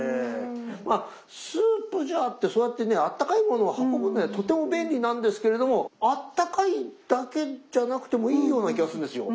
まあスープジャーってそうやってねあったかいものを運ぶのにとても便利なんですけれどもあったかいだけじゃなくてもいいような気がするんですよ。